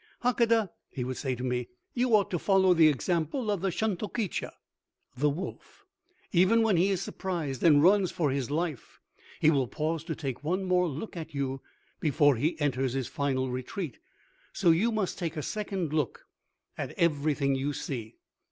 "Hakadah," he would say to me, "you ought to follow the example of the shunktokecha (wolf). Even when he is surprised and runs for his life, he will pause to take one more look at you before he enters his final retreat. So you must take a second look at everything you see.